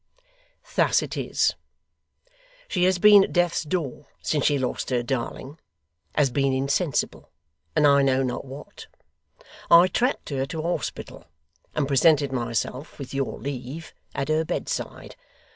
Thus it is. She has been at death's door since she lost her darling has been insensible, and I know not what. I tracked her to a hospital, and presented myself (with your leave) at her bedside.